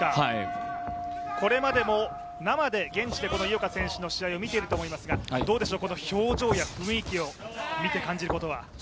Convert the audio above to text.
これまでも生で、現地で井岡選手の試合を見ていると思いますがどうでしょう、この表情や雰囲気を見て感じることは。